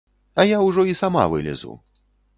А я ўжо і сама вылезу!